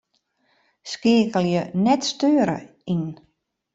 Skeakelje 'net steure' yn.